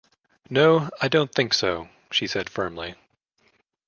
“No, I don’t think so,” she said firmly.